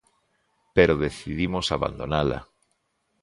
Pero decidimos abandonala.